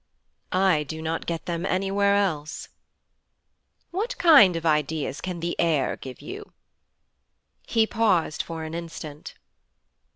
'I do not get them anywhere else.' 'What kind of ideas can the air give you?' He paused for an instant.